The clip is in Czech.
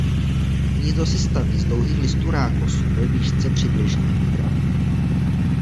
Hnízdo si staví z dlouhých listů rákosu ve výšce přibližně metr a půl.